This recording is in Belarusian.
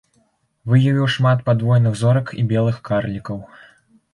Выявіў шмат падвойных зорак і белых карлікаў.